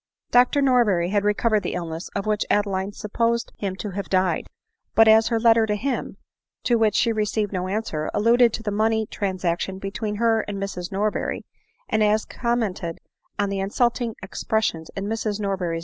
Dr Norberry had recovered the iHness of which Ade line supposed him to have died ; but as her letter to him, to which she received no answer, alluded to the money transaction between her and Mrs Norberry ; and as she commented on the insulting expressions in Mrs Norber ADELINE MOWBRAY.